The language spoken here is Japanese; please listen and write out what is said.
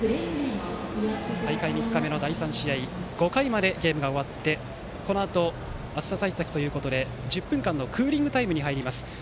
大会３日目の第３試合５回までゲームが終わって、このあと暑さ対策ということで１０分間のクーリングタイムに入ります。